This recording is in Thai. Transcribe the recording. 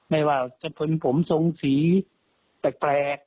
ไม่ว่าจะชนผมทรงสีแปลก